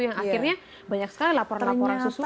yang akhirnya banyak sekali laporan laporan sesuai